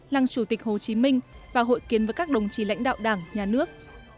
lăng chủ tịch hồ chí minh và hội kiến với các đồng chí lãnh đạo đảng nhà nước